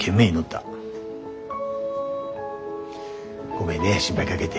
ごめんね心配かけて。